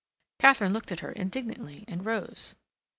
Katharine looked at her indignantly and rose.